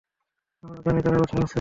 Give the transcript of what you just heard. আমরা জানি তারা কোথায় আছে।